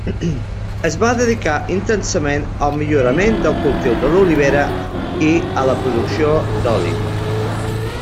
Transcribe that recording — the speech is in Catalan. Es va dedicar intensament al millorament del cultiu de l'olivera i a la producció d'oli.